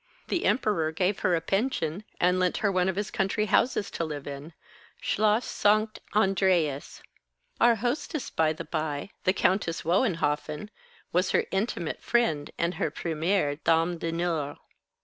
The Emperor gave her a pension, and lent her one of his country houses to live in Schloss Sanct Andreas. Our hostess, by the by, the Countess Wohenhoffen, was her intimate friend and her première dame d'honneur."